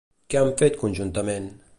Què han fet conjuntament?